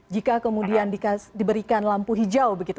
jika kemudian diberikan lampu hijau begitu